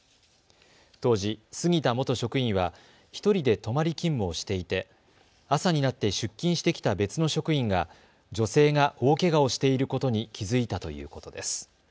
当時、杉田元職員は１人で泊まり勤務をしていて朝になって出勤してきた別の職員が女性が大けがをしていることに気付いたということです。